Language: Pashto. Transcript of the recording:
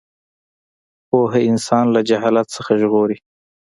پوهه انسان له جهالت څخه ژغوري.